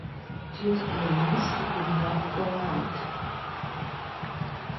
Due to illness, he could not go out.